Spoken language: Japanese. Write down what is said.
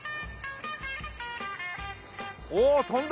おお飛んだ！